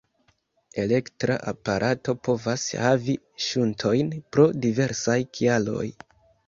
Elektra aparato povas havi ŝuntojn pro diversaj kialoj.